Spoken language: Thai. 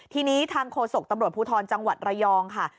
ทีนี้ทางโฆษกตำรวจภูทรจังหวัดระยองค่ะ